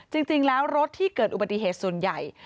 จริงแล้วรถที่เกิดอุบัติเหตุส่วนใหญ่